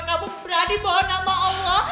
kamu berani mohon nama allah